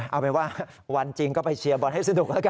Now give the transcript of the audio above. เอาเป็นว่าวันจริงก็ไปเชียร์บอลให้สนุกแล้วกัน